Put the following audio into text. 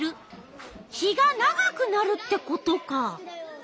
日が長くなるってことか。